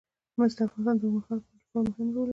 مس د افغانستان د اوږدمهاله پایښت لپاره مهم رول لري.